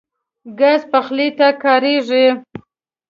ګاز پخلی ته کارېږي.